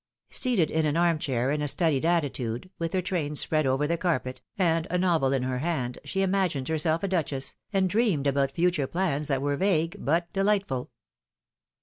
Seated in an arm chair, in a studied attitude, with her train spread over the carpet, and a novel in her hand, she imagined herself a duchess, and dreamed about future plans that were vague, but delightful.